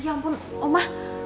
ya ampun oma